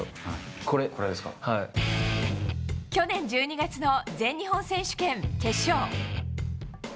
去年１２月の全日本選手権決勝。